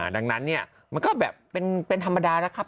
ดังนั้นเนี่ยมันก็แบบเป็นธรรมดานะครับ